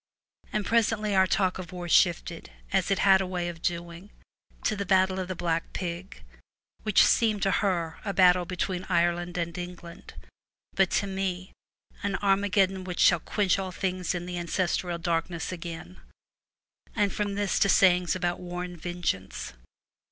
And presently our talk of war shifted, as it had a way of doing, to the battle of the Black Pig, which seems to her a battle between Ireland and England, but to me an Armageddon which shall quench all things in the Ancestral Darkness again, and from this to sayings about war and vengeance.